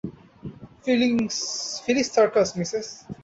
Fleece circus, Mrs.